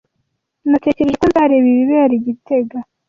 Natekereje ko nzareba ibibera i gitega.